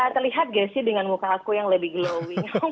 terlihat ghesi dengan muka aku yang lebih glowing